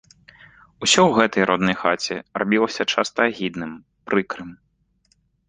Усё ў гэтай роднай хаце рабілася часта агідным, прыкрым.